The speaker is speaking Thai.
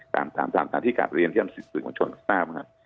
ตามทิศภาพเรียนทั้งสินสื่อมชนทราบ